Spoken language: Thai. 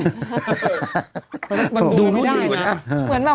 มันดูดูดีกว่านะดูดูดีกว่านะ